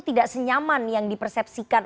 tidak senyaman yang di persepsikan